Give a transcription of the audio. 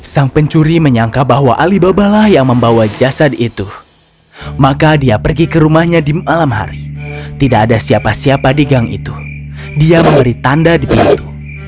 sang pencuri menyangka bahwa alibabalah yang membawa jasad itu maka dia pergi ke rumahnya di malam hari tidak ada siapa siapa di gang itu dia memberi tanda di pintu